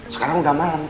sekarang udah malam